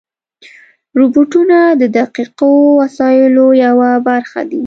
روبوټونه د دقیقو وسایلو یوه برخه دي.